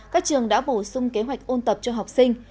các trường đã bổ sung kế hoạch ôn tập cho học sinh